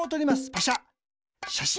パシャ。